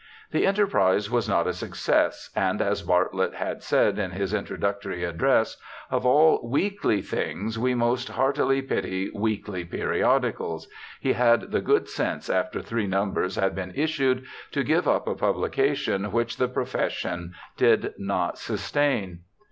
The enterprise was not a success, and as Bartlett had said in his introductory address, ' of all zveakly things we most heartily pity weakly periodicals,' he had the good sense after three numbers had been issued to give up a publication which the profession did not sustain.